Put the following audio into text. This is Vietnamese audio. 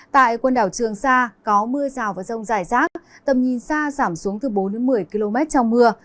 tại quần đảo trường sa có mưa rào và rông dài rác tầm nhìn xa giảm xuống từ bốn một mươi km trong mưa